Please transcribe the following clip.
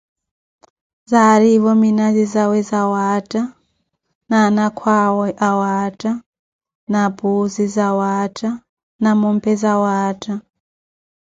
Zaarivo minazi zawe zawaatta na anakhu awe awaatta na puuzi zawaatta na mompe zawaatta.